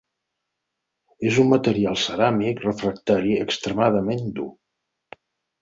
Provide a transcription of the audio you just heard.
És un material ceràmic refractari extremadament dur.